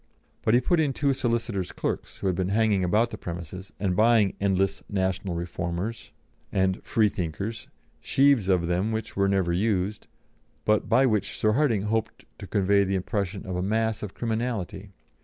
But he put in two solicitor's clerks, who had been hanging about the premises, and buying endless National Reformers and Freethinkers, sheaves of them which were never used, but by which Sir Hardinge hoped to convey the impression of a mass of criminality.